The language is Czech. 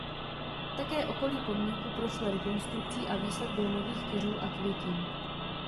Také okolí pomníku prošlo rekonstrukcí a výsadbou nových keřů a květin.